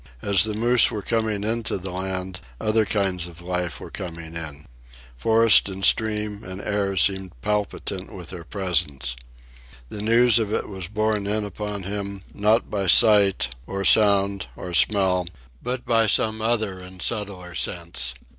As the moose were coming into the land, other kinds of life were coming in. Forest and stream and air seemed palpitant with their presence. The news of it was borne in upon him, not by sight, or sound, or smell, but by some other and subtler sense.